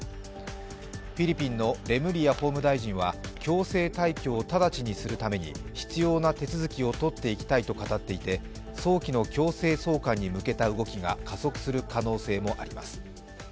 フィリピンのレムリヤ法務大臣は強制退去を直ちにするために必要な手続きをとっていきたいと語っていて早期の強制送還に向けた動きが加速する可能性もあります。